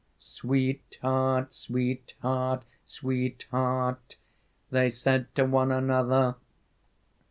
'Sweetheart, sweetheart, sweetheart.' They said to one another.